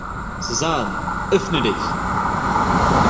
Sesam, öffne dich!